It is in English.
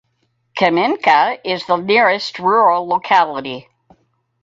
Kamenka is the nearest rural locality.